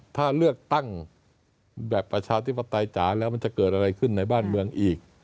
ถ้าเลือกตั้งแบบประชาธิปไตยจ๋าแล้วมันจะเกิดอะไรขึ้นในบ้านเมืองอีก